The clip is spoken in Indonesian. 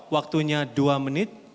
waktunya dua menit